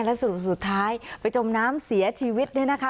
แล้วสรุปสุดท้ายไปจมน้ำเสียชีวิตเนี่ยนะคะ